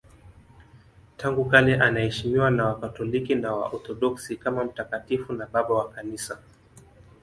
Tangu kale anaheshimiwa na Wakatoliki na Waorthodoksi kama mtakatifu na Baba wa Kanisa.